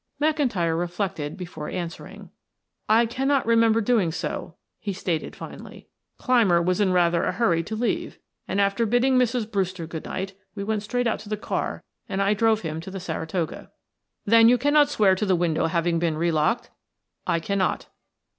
McIntyre reflected before answering. "I cannot remember doing so," he stated finally. "Clymer was in rather a hurry to leave, and after bidding Mrs. Brewster good night, we went straight out to the car and I drove him to the Saratoga." "Then you cannot swear to the window having been re locked?" "I cannot."